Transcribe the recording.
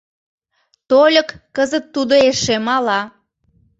Тольык кызыт тудо эше мала.